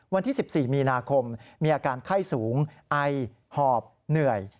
วันที่๑๔มีนาคมมีอาการไข้สูงไอหอบเหนื่อย